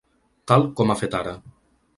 Tal com ha fet ara.